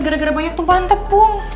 gara gara banyak tumpahan tepung